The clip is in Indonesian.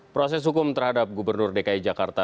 proses hukum terhadap gubernur dki jakarta